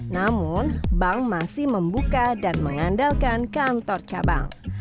namun bank masih membuka dan mengandalkan kantor cabang